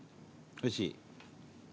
おいしい？